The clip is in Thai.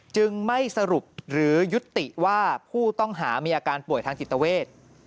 จึงไม่สรุปหรือยุติว่าผู้ต้องหามีอาการป่วยทางจิตเวท